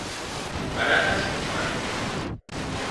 Varadas nun barco.